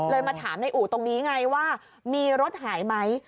มาถามในอู่ตรงนี้ไงว่ามีรถหายไหม